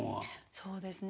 そうですね。